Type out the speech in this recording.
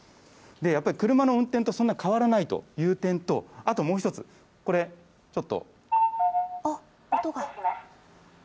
やっぱり車の運転とそんなに変わらないという点と、あともう１つ、音が。